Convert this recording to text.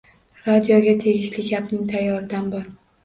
Radioga tegishli gapning tayyoridan bor!